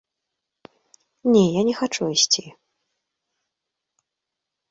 Не, я не хачу ісці.